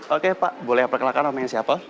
oke pak boleh perkenalkan namanya siapa